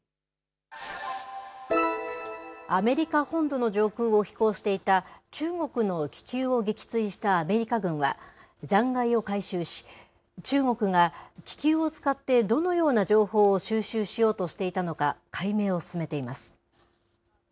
アメリカ本土の上空を飛行していた中国の気球を撃墜したアメリカ軍は、残骸を回収し、中国が気球を使ってどのような情報を収集しようとしていたのか、解明を進めています。